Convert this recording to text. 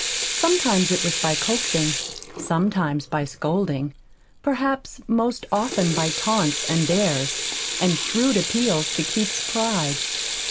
Sometimes it was by coaxing, sometimes by scolding; perhaps most often by taunts and dares, and shrewd appeals to Keith's pride.